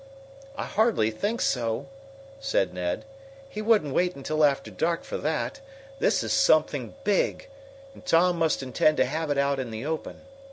"I hardly think so," said Ned. "He wouldn't wait until after dark for that. This is something big, and Tom must intend to have it out in the open.